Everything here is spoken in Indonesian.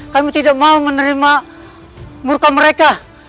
kami tidak mau menerima murka mereka